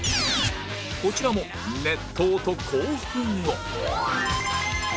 こちらも熱闘と興奮を